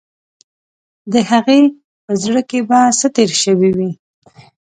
د هغې په زړه کې به څه تیر شوي وي.